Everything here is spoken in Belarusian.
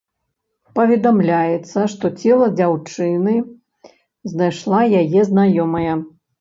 Паведамляецца, што цела дзяўчыны знайшла яе знаёмая.